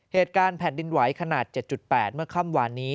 เหตุการณ์แผ่นดินไหวขนาด๗๘เมื่อค่ำวานนี้